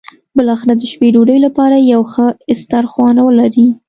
بالاخره د شپې ډوډۍ لپاره یو ښه سترخوان ولري.